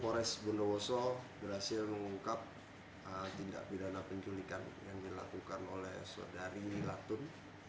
polres bondowoso berhasil mengungkap tindak pidana penculikan yang dilakukan oleh saudari latun